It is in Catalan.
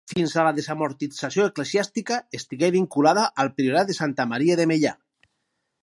Fins a la desamortització eclesiàstica estigué vinculada al priorat de Santa Maria de Meià.